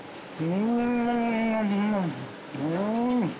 うん！